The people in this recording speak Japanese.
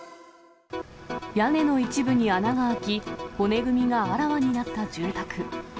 屋根の一部に穴が開き、骨組みがあらわになった住宅。